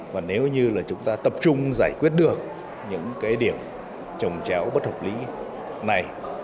và nếu như là chúng ta tập trung giải quyết được những cái điểm trồng chéo bất hợp lý này